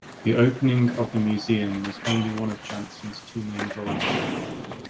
The opening of the museum was only one of Jansen’s two main goals.